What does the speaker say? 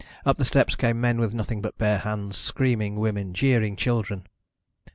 Up the steps came men with nothing but bare hands, screaming women, jeering children.